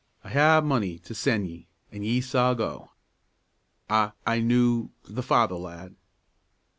I ha' money to sen' ye, an' ye s'all go. I I knew the father, lad."